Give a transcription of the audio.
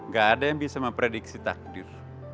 gak ada yang bisa memprediksi takdir